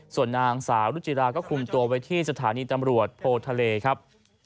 ส่วนนางสาวรุจิราก็คุมตัวไว้ที่สถานีตำรวจโพทะเลครับ